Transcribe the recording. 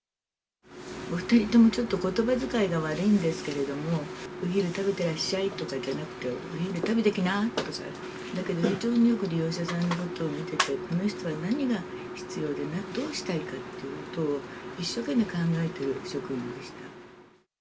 お２人とも、ちょっとことば遣いが悪いんですけれども、お昼食べてらっしゃいとかじゃなくて、お昼食べてきなとか、だけど非常によく利用者さんのことを見ていて、この人は何が必要で、どうしたいかっていうことを、一生懸命考えている職員でした。